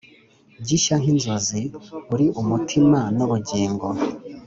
gishya nkinzozi, uri umutima nubugingo